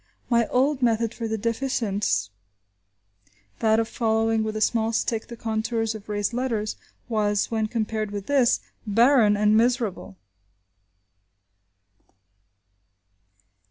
My old method for the deficients, that of following with a small stick the contours of raised letters, was, when compared with this, barren and miserable!